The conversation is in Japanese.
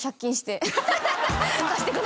貸してください